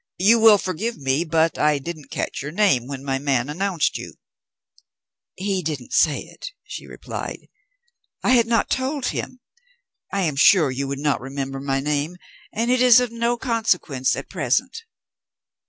"You will forgive me, but I didn't catch your name when my man announced you." "He didn't say it," she replied. "I had not told him. I am sure you would not remember my name, and it is of no consequence at present."